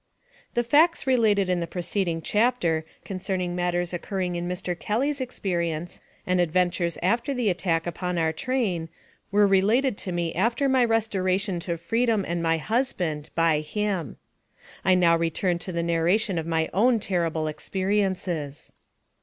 THE facts related in the preceding chapter concern ing matters occurring in Mr. Kelly's experience, and adventures after the attack upon our train, were related to me after my restoration to freedom and my hus band, by him. I now return to the narration of my own terrible experiences.